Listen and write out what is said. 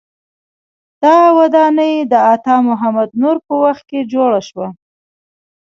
دا ودانۍ د عطا محمد نور په وخت کې جوړه شوه.